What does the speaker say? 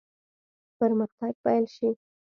پرمختګ پیل شي.